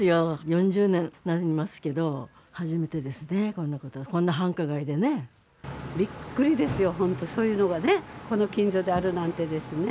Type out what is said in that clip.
４０年になりますけど、初めてですね、びっくりですよ、本当、そういうのがね、この近所であるなんてですね。